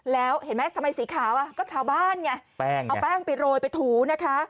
แล้วเห็นไหมทำไมสีขาวก็ชาวบ้านไงเอาแป้งไปโรยไปถูนะคะ